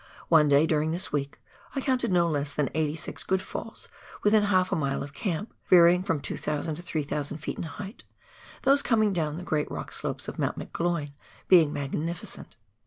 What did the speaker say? One day, during this week, I counted no less than eighty six good falls within half a mile of camp, varying from 2,000 to 300 ft. in height, those coming down the great rock slopes of Mount McGloin being mag nificent.